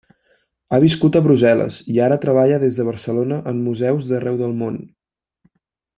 Ha viscut a Brussel·les i ara treballa des de Barcelona en museus d'arreu del món.